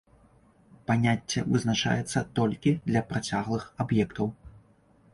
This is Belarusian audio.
Паняцце вызначаецца толькі для працяглых аб'ектаў.